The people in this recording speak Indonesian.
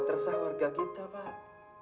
buat resah warga kita pak